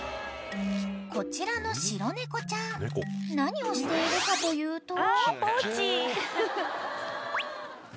［こちらの白猫ちゃん何をしているかというと］